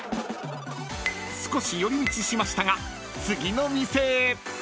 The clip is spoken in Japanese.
［少し寄り道しましたが次の店へ］